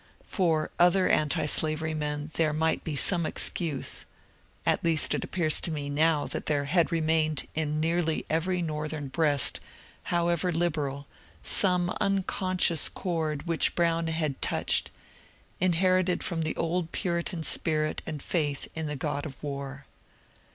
For other antislavery men there might be some excuse ; at least it appears to me now that there had remained in nearly every Northern breast, however liberal, some unconscious chord which Brown had touched, inherited from the old Puri tan spirit and faith in the God of War.